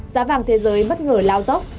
giá vàng thế giới bất ngờ lao dốc